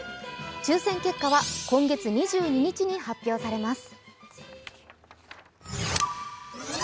抽選結果は今月２２日に発表されます。